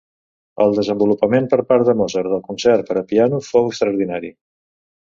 El desenvolupament per part de Mozart del concert per a piano fou extraordinari.